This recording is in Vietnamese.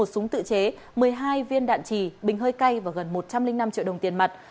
một súng tự chế một mươi hai viên đạn trì bình hơi cay và gần một trăm linh năm triệu đồng tiền mặt